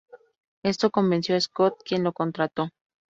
Esto convenció a Scott, quien lo contrató.